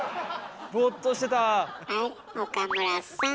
はい岡村さん